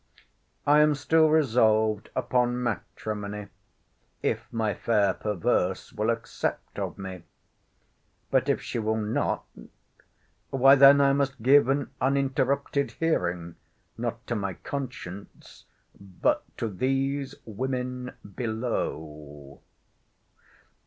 I am still resolved upon matrimony, if my fair perverse will accept of me. But, if she will not——why then I must give an uninterrupted hearing, not to my conscience, but to these women below.